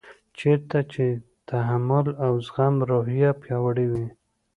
چېرته چې د تحمل او زغم روحیه پیاوړې وي.